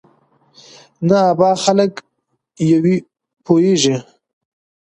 نه ابا خلک پوېېږي.